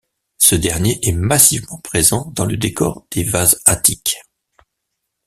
Ce dernier est massivement présent dans le décor des vases attiques.